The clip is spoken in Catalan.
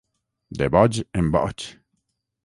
De boig en boig.